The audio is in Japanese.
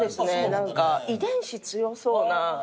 何か遺伝子強そうな。